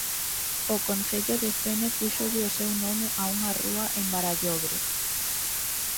O concello de Fene púxolle o seu nome a unha rúa en Barallobre.